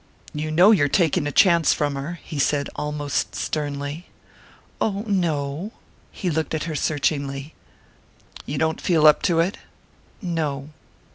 "You know you're taking a chance from her," he said, almost sternly. "Oh, no " He looked at her searchingly. "You don't feel up to it?" "No."